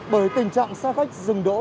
bởi tình trạng xe khách dừng đỗ